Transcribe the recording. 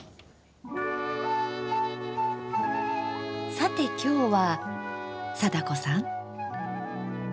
さて今日は貞子さん？